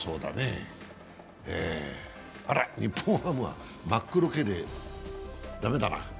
あら、日本ハムは真っ黒けで駄目だな。